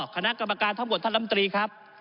คณะกรรมการทั้งหมดท่านลำตรีครับ